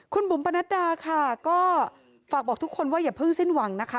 คุณบุ๋มปนัดดาค่ะก็ฝากบอกทุกคนว่าอย่าเพิ่งสิ้นหวังนะคะ